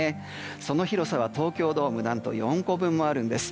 その広さは、東京ドーム何と４個分もあるんです。